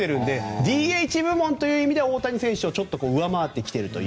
ＤＨ部門では大谷選手を上回ってきていると。